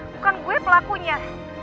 bukan gue pelakunya